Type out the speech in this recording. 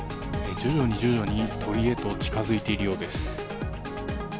徐々に徐々に、鳥へと近づいているようです。